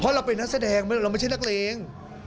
เพราะเราเป็นนักแสดงเราไม่ใช่นักเลง